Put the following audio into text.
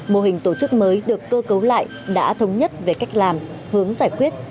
mô hình tổ chức mới được cơ cấu lại đã thống nhất về cách làm hướng giải quyết